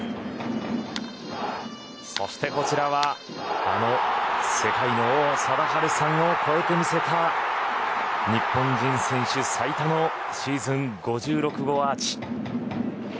そしてこちらは世界の王貞治さんを超えて見せた日本人選手最多のシーズン５６号アーチ。